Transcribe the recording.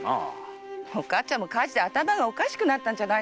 おかつちゃんも火事で頭がおかしくなったんじゃないかい？